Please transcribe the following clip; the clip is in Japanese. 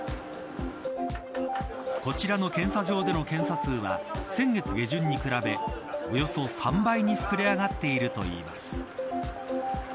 こちらの検査場での検査数は先月下旬に比べおよそ３倍に膨れ上がっているといいます。